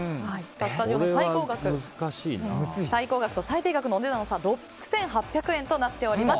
スタジオの最高額、最低額のお値段の差は６８００円となっております。